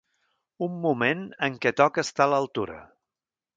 Un moment en què toca estar a l’altura.